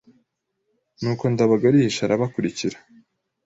nuko ndabaga arihisha arabakurikira